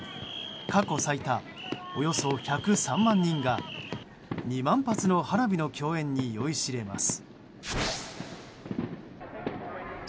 過去最多、およそ１０３万人が２万発の花火の競演に酔いしれます。